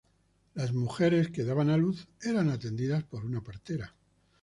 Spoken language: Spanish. Las mujeres que daban a luz eran atendidas por una partera.